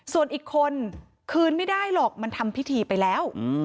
ส่วนอีกคนคืนไม่ได้หรอกมันทำพิธีไปแล้ว